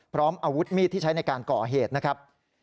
พร้อมอาวุธมีดที่ใช้ในการก่อเหตุนะครับ